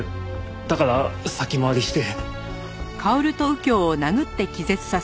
だから先回りして。